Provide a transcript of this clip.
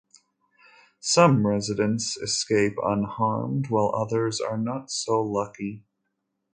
Some residents escape unharmed, while others are not so lucky.